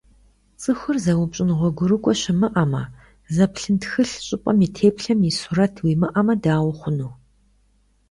ЦӀыхур зэупщӀын гъуэгурыкӀуэ щымыӀэмэ, зэплъын тхылъ, щӀыпӀэм и теплъэм и сурэт уимыӀэмэ, дауэ хъуну?